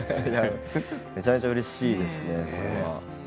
めちゃめちゃうれしいですね。